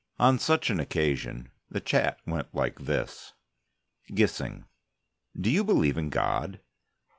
On such an occasion, the chat went like this: GISSING: Do you believe in God?